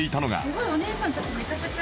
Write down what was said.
すごいお姉さんたち